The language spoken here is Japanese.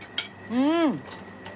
うん！